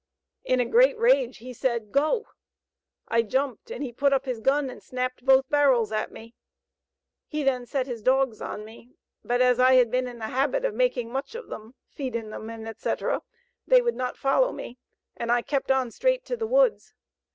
In a great rage he said 'go.' I jumped, and he put up his gun and snapped both barrels at me. He then set his dogs on me, but as I had been in the habit of making much of them, feeding them, &c. they would not follow me, and I kept on straight to the woods.